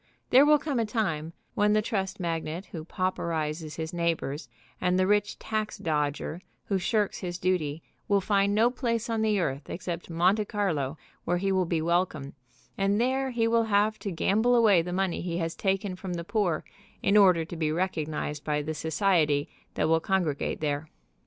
There will come a time when the trust magnate who pauperizes his neighbors and the rich tax dodger who shirks his duty will find no place on the earth except Monte Carlo where he will be welcome, and there he will have to gamble away the money he has taken from the poor in order to be recognized by the society that will congregate there.